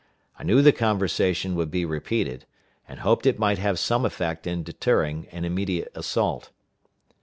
I knew the conversation would be repeated, and hoped it might have some effect in deterring an immediate assault.